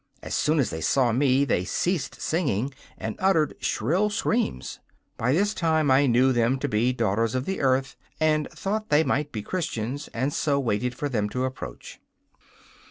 As soon as they saw me they ceased singing and uttered shrill screams. By this sign I knew them to be daughters of the earth, and thought they might be Christians, and so waited for them to approach.